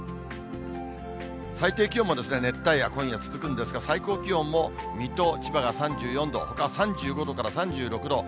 最低気温も熱帯夜、今夜続くんですが、最高気温も水戸、千葉が３４度、ほかは３５から３６度。